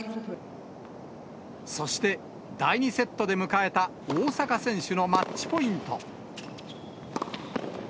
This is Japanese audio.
そして、第２セットで迎えた大坂選手のマッチポイント。